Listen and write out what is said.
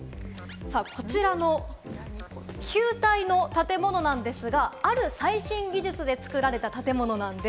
こちらの球体の建物なんですが、ある最新技術で作られた建物なんです。